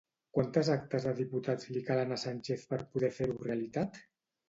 Quantes actes de diputats li calen a Sánchez per poder fer-ho realitat?